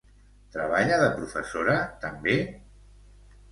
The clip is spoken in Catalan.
Treballa de professora també?